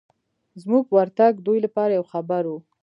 زموږ ورتګ دوی لپاره یو خبر و.